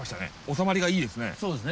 収まりがいいですね。